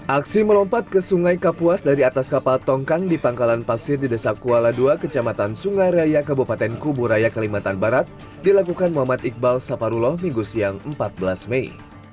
aksi melompat ke sungai kapuas dari atas kapal tongkang di pangkalan pasir di desa kuala ii kecamatan sungai raya kabupaten kuburaya kalimantan barat dilakukan muhammad iqbal saparuloh minggu siang empat belas mei